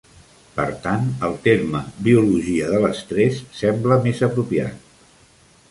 Per tant, el terme "Biologia de l'estrès" sembla més apropiat.